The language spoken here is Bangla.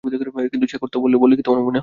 কিন্তু সে করত বলে কি তোমার মনে হয়?